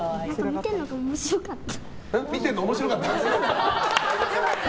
見てるのが面白かった。